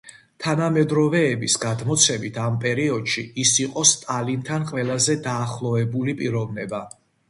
თანამედროვეების გადმოცემით ამ პერიოდში ის იყო სტალინთან ყველაზე დაახლოებული პიროვნება.